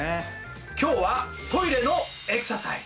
今日はトイレのエクササイズ。